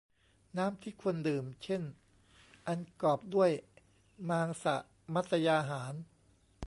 น้ำที่ควรดื่ม เช่น อันกอปรด้วยมางษมัศยาหาร